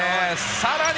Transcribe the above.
さらに。